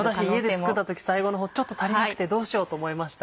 私家で作った時最後の方ちょっと足りなくてどうしようと思いました。